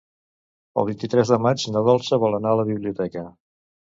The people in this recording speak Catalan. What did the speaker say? El vint-i-tres de maig na Dolça vol anar a la biblioteca.